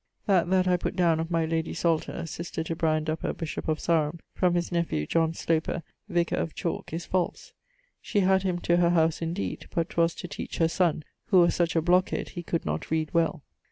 That that I putt downe of my lady Salter (sister to Brian Duppa, bishop of Sarum), from his nephew Sloper, vicar of Chalke, is false. She had him to her house indeed, but 'twas to teach her sonne, who was such a blockhead he could not read well.